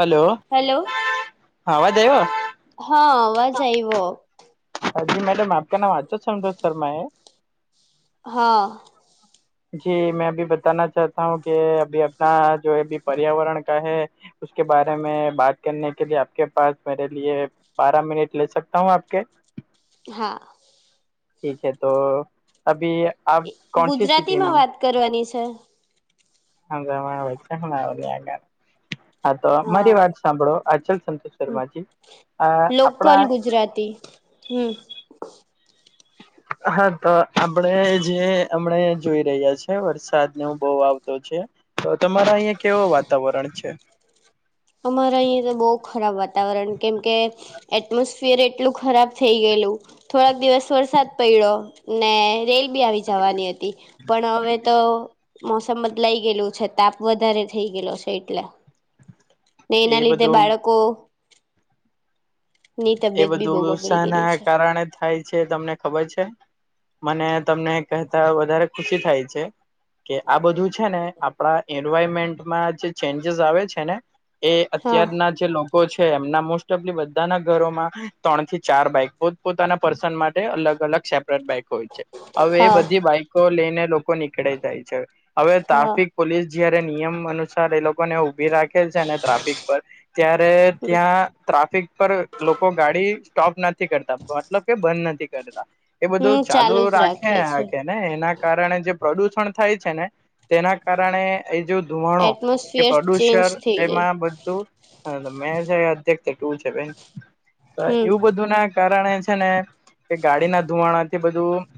Hello hello હા વાજવ હા અવાજ આવ્યો હા જી મેડમ આપકા નામ આચ્ય સમભષ શર્માૈ હા જી મેં અભી બતા ચાતા હું કે અભી આપણા જો એી પર્યાવરણ કા હૈ કે બાર મે બાત કરને કે લ આપકે પાાસ મેરે લ બારા મિનટ લે સકતા હું આપકે હા ઠીક હે તો અભી આપ કોનસી માં વાત કરવાની છે હચ છે આ હા તો મારી હા વાત સાંભળો અચલ સંતોષ શર્માજી આ આપણા લોકલ ગુજરાતી હમ હા તો આપડ જે હમણા જોઈ રહ્યા છે વરસાદ ન બહુ આવતો છે તો તમારા અહિયાં કેવો વાતાવરણ છે અમારે અહીિયાં તો બહુ ખરાબ વાતાવરણ કેમ કે એટમોસ્ફિયર એટલું ખરાબ થઈ ગયેલું થોડાક દિવસ વરસાદ પડ્યો ને રેલ બી આવી જવાની હતી પણ હવે તો મોસમ બદલાઈ ગયેલું છે તાપ વધારે થઈ ગયેલો છે એટલે નૈન એ લધે બધું બાળકોું એ તબિયત બી બહુ બધું ઉત્સાહ બગડી ગયેલી ના છે કારણે થાય છે તમને ખબર છે મને તમને કહેતા વધારે ખુશી થાય છે કે આ બધું છે ને આપણા એન્વાયરમેન્ટમાં જે ચેન્જસ આવે છે ને એ હા અત્યારના જે લોકો છે એમના મોસ્ટ ઓફલી બધાના માં ત્રણ થી ચાર બાઈક પો પોતાના પર્સન માટે અલગ અલગ સેપરેટ બાઈક હવે એ હા બધી બાઈકો લઈને લોકો નીકળે જાય છે હવે હા ટ્રાફિક પોલીસ જયારે નિયમ અનુસાર એ લોકો ઉભી રાખે છે ટ્રાફિક પર ત્યારે ત્યાં ટ્રાફિક પર લોકો ગાડી સ્ટોપ નથી કરતા મતલબ કે બંધ નથી કરતા એ હમ બધું ચાલુ જ રાખે છે કે ને એના કારણે જે પ્રદુષણ થાય છે ને તેના કારણે એ જો ધોવાણો એ એટમોસફિયર ચેન્જ પ્રડ્યુસર થઈ એમાં જાય બધું હ મે અધ્ય ટું છે હમ એવું બધું ના કારણે છે ને કે ગાડીના ધુવાણાથી બધું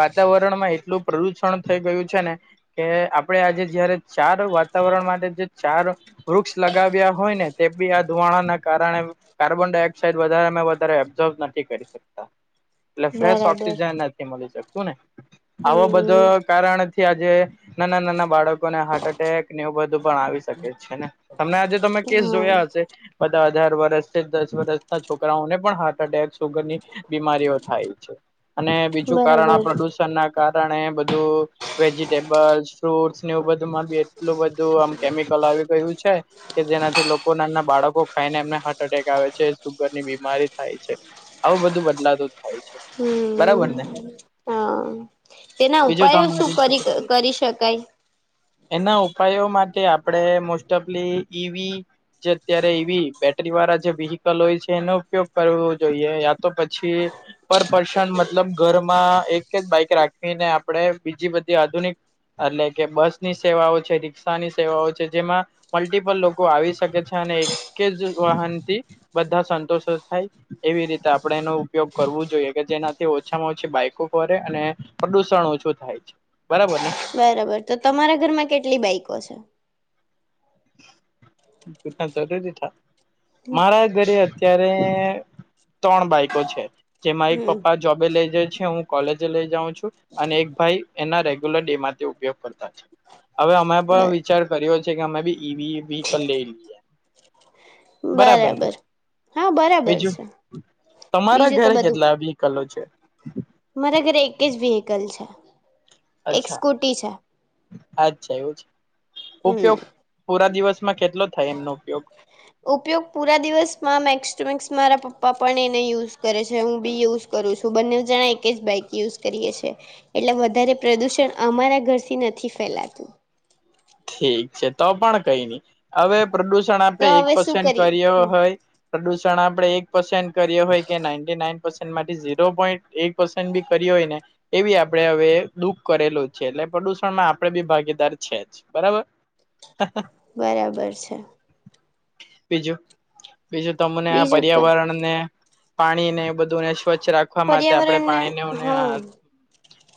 વાતાવરણમાં એટલું પ્રદુષણ થઈ ગયું છે ને કે આપડે આજે જયારે ચાર વાતાવરણ માટે જે ચાર વૃક્ષ લગાવ્યા હોય ને તે બી આ ધુવાણા ના કારણે કાર્બન ડાયોક્સાઇડ વધારેમાં વધારે એબ્ઝોર્વ નથી કરી શકતા એટલે ફ્રેશ બરાબર ઓક્સિજન મળી શકશું ને આો હમ બધા કારણથી આજે નાના નાના બાળકોને હાર્ટ એટેક એવું બધું પણ આવી શકે છે ને તમને આજે તમે કેસ હા જોયા હશે બધા અઢાર વર્ષ દસ વર્ષના છોકરાઓને પણ હાર્ટ અટેક સુગરની બીમારીઓ થાય છે અને બીજું કારણ બરાબર આપ ના કારણે બધું વેજીિટેબલ ફ્રૂટસ ને એવું બધુંમાં બી એટલું બધું આમ કેમિકલ આવી ગયું છે કે જેનાથી લોકો નાના બાળકો ખાઈને એમને હાર અટેક આવે છે સુગર ની બીમારી થાય છે આવું બધું બદલાતું થાય છે હમ બરાબર ને હ તેના બીજું ઉપાયો શું તમારી વિશે કરી તો કેવું છે કરી શકાય એના ઉપાયો માટે આપણેે મોસ્ટ ઓફલી ઈવી અત્યારે એવી વાળા જે વ્હીકલ હોય છે એનો ઉપયોગ કરવો જોઈએ યા તો પછી પર પર્સન મતલબ ઘરમાં એક જ બાઈક રાખવીને આપણેે બીજી બધી આધુનિક એટલે કે બસની સેવાઓ છે રિક્ષાની સેવાઓ છે જેમાં મલ્ટિપલ લોકો આવી શકે છે અને એક જ વાહનથી બધા સંતોષ થાય એવી રીતે આપણેે એનો ઉપયોગ કરવો જોઈએ કે જેનાથી ઓછામાં ઓછી બાઈકો ફરે અને પ્રદુષણ ઓછું થાય છે બરાબર ને. બરાબર તો તમારા ઘરમાં કેટલી બાઈકો છે. ટ જરૂરી થ મહારાજ અત્યારે ત્રણ બાઈકો છે જેમાં એક હમ પપ્પા જોબે લઈ જઈ છે હું કોલેજે લઈ જાઉં છું. અને એક ભાઈ એના રેગ્યુલર ડે માંથી ઉપયોગ કરતા છે. હવે અમે પણ બર વિચાર કર્યો છે કે અમે બી ઈ વી વ્હીકલ લઈ લઈએ બરાબર. હા બરાબર બીજું છે તમારા બીજું તો ઘરે બધું કેટલા વેહીકલો છે. મારા ઘરે એક જ વેહીકલ છે. એક અચ્છા સ્કૂટી છે અચ્છા એવું છે હમ ઉપયોગ પૂરા દિવસમાં કેટલો થાય એમનો ઉપયોગ ઉપયોગ પૂરા દિવસમાં મેક્સ ટુ મક્સ મારા પપ્પા પણ એને યુઝ કરે છે હું બી યુઝ કરું છું બંને જણા એક જ બાઈક યુઝ કરીએ છીએ એટલે વધારે પ્રદુષણ અમારા ઘરથી નથી ફેલાતું ઠીક છે તો પણ કઈ નહી હવે પ્રદુષણ તો આપણે એક હવે શું પસન્ટ કરીએ કર્યો હમ હોય પ્રદુષણ આપડણે એક પસંદ કરીએ હોય કે નાન્ટી નાઈન પરસન માંથી ઝીરો પોઈન્ટ એક પર્સન્ટ કર્યો હોય ને એવી આપણેે હવે દુઃખ કરેલું છે એટલે પ્રદુષણમાં આપડે બી ભાગીદાર છે જ. બરાબર બરાબર છે. બીજું બીજું તમને આ બીજું ક પર્યાવરણને. પાણીને એ બધુંને સ્વચ્છ રાખવા માટે આપણે પર્યાવરણને પાણીનેને હા આ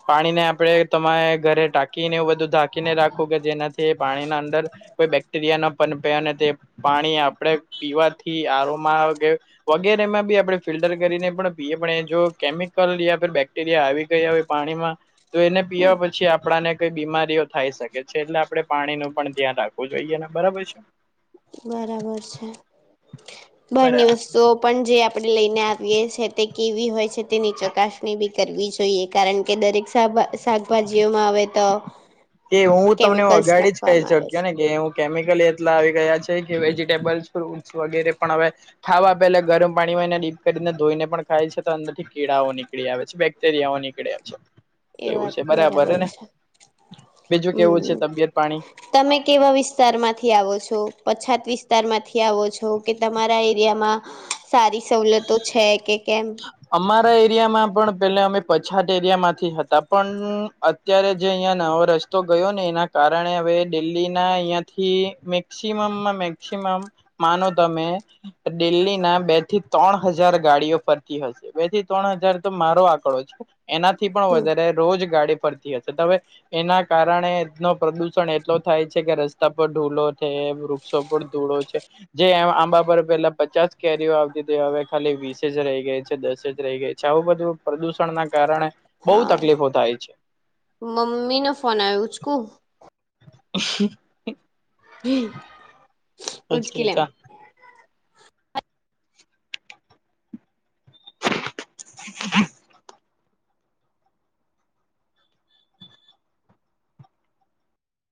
પાણી ને આપડે તમારે ઘરે ટાકીને એવું બધું ઢાંકી ને રાખું કે જેનાથી પાણીના અંદર કોઈ બેક્ટેરિયા ના પન પે અને તે પાણી આપણે પીવાથી આરોમાં. [unintelligible] વગેરે એમાં બી આપણે ફિલ્ટર કરીને પણી જો કેમિકલ બાક રિયા આવી ગયા હોય પાણીમાં તો એને હમ પીવા પછી આપણાને કઈ બીમારીઓ થાય શકે છે એટલે આપડણે પાણી નું પણ ધ્યાન રાખવું જોઈએ ને બરાબર છે. બરાબર છે બારની બરા વસ્તુઓ. પણ જે આપડણે લઈને આવીએ છી તે કેવી હોય છે તેની ચકાસણી બી કરવી જોઈએ. કારણ કે દરેક શાભા શાકભાજીઓમાં આવે તો કે હું તમને કેમિકલ્સ અગાડી જ કહી નાખવામાં આવે શક્યો છે ને કે ઈ કેમિકલ એટલા આવી ગયા છે કે વેજીિટેબલ્સ ફ્રૂટ્સ વગેરે પણ હવે. ખાવા પેલા ગરમ પાણીમાં એને ડીપ કરીને ધોઈને પણ ખાય છે તો અંદર થી કીડાઓ નીકળી આવે છે. અત્યારેવા નીકળ્યા એ છે એવું વાત છે બરાબર ને. છે. બીજું કેવું છે હમ તબિયત પાણી. તમે કેવા વિસ્તારમાંથી આવો છો પછાત વિસ્તારમાંથી આવો છો કે તમારા એરિયામાં સારી સવલતો છે કે કેમ અમારા એરિયામાં પણ પે અમે પછાત એરિયા માંથી હતા પણ અ અત્યારે જે અહિયાં નવો રસ્તો ગયો ને એના કારણે હવે દિલ્હીના અહિયાંથી મે મેક્સમમ મેક્સમમ માનો તમે. ડેલી ના બે થી ત્રણ હજાર ગાડીઓ પર હ બે થી ત્રણ હજાર તો મારો આંકડો છે એનાથી પણ હમ વધારે. રોજ ગાડી ફરતી હશે તમે એના કારણે ન પ્રદુષણ એટલો થાય છે, કે રસ્તા પર ઢૂલો છે. સબદ દૂળો છે. જે આંબા પર પેલા પચાસ કેરીઓ આવતી તે હવે ખાલી વીસે જ રેય ગેઈ દસે જ રહી ગય છે, આવું બધું પ્રદુષણના કારણે બોવ હા તકલીફો થાય છે. મમ્મી ન ફોન આયો ઉચકુ અ. [inaudible] ઉચકી લે જા હ.